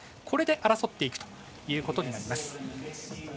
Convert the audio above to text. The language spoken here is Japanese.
これで争っていくということになります。